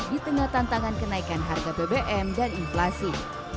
di tengah tantangan kenaikan harga bbm dan inflasi